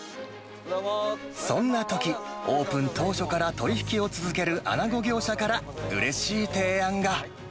そんなとき、オープン当初から取り引きを続けるアナゴ業者からうれしい提案が。